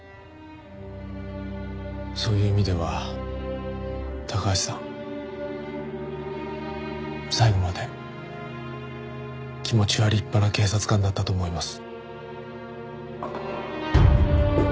そういう意味では高橋さん最後まで気持ちは立派な警察官だったと思います。